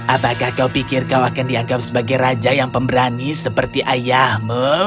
apakah kau pikir kau akan dianggap sebagai raja yang pemberani seperti ayahmu